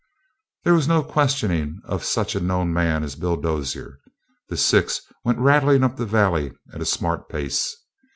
There was no questioning of such a known man as Bill Dozier. The six went rattling up the valley at a smart pace.